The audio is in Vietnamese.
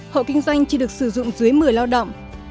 hộ kinh doanh chỉ được sử dụng dưới một mươi lao động